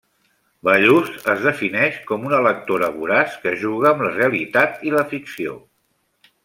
Ballús es defineix com una lectora voraç que juga amb la realitat i la ficció.